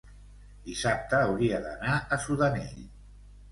dissabte hauria d'anar a Sudanell.